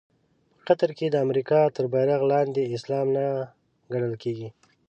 په قطر کې د امریکا تر بېرغ لاندې اسلام نه ګټل کېږي.